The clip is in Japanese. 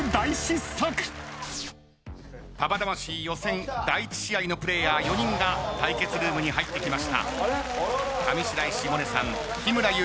ＢＡＢＡ魂予選第１試合のプレーヤー４人が対決ルームに入ってきました。